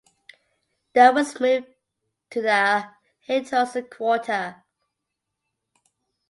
The was moved to the Haidhausen quarter.